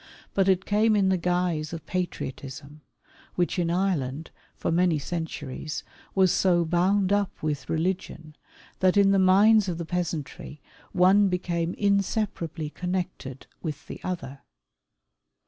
But it came in the guise of patriotism, which in Ireland, for many centuries, was so bound up with religion, that in the minds of the peasantry, one became inseparably connected with the other.